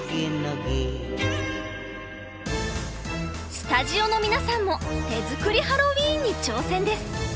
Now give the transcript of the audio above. スタジオの皆さんも手作りハロウィーンに挑戦です。